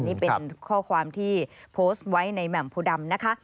นี่เป็นข้อความที่โพสต์ไว้ในแหม่มโพดำนะคะ